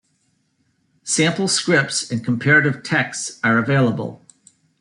Sample scripts and comparative texts are available.